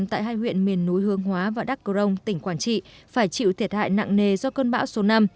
hương hóa hướng lập huyện miền núi hương hóa và đắk cơ rông tỉnh quảng trị phải chịu thiệt hại nặng nề do cơn bão số năm